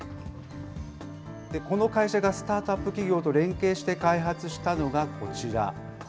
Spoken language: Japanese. この会社がスタートアップ企業と連携して開発したのがこちら。